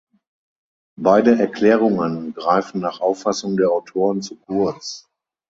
Beide Erklärungen greifen nach Auffassung der Autoren zu kurz.